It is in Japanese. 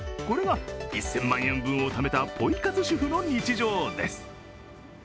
これが、１０００万円分をためたポイ活主婦の日常です。